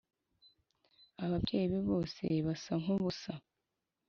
ababyeyi be bose basa nkubusa